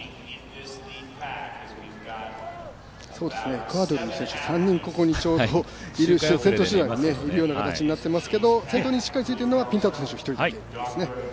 エクアドルの選手３人ここにちょうど先頭集団にいるような形になっていますけれども先頭にしっかりついているのはピンタード選手１人だけですね。